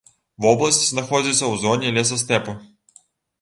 Вобласць знаходзіцца ў зоне лесастэпу.